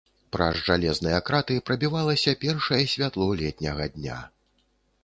Праз жалезныя краты прабівалася першае святло летняга дня.